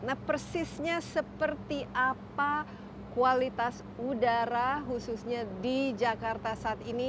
nah persisnya seperti apa kualitas udara khususnya di jakarta saat ini